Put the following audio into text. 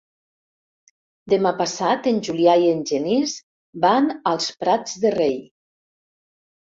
Demà passat en Julià i en Genís van als Prats de Rei.